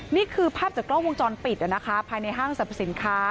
นี่คือภาพจากกล้องวงจรปิดนะคะภายในห้างสรรพสินค้า